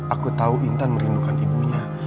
aku tahu intan merindukan ibunya